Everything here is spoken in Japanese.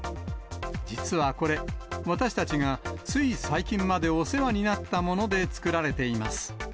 実はこれ、私たちがつい最近までお世話になったもので作られています。